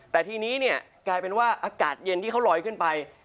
แต่ทีนี้เนี่ยกลายเป็นว่าอากาศเย็นที่เขาลอยขึ้นไป